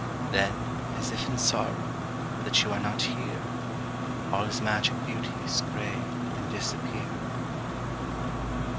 Then, as if in sorrow That you are not here, All his magic beauties Gray and disappear.